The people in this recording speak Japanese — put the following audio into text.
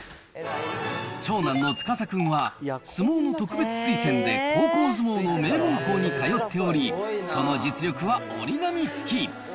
長男の司君は相撲の特別推薦で高校相撲の名門校に通っており、その実力は折り紙付き。